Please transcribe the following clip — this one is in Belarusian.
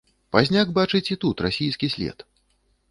Пазняк бачыць і тут расійскі след.